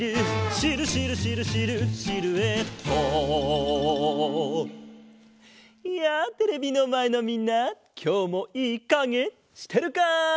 「シルシルシルシルシルエット」やあテレビのまえのみんなきょうもいいかげしてるか？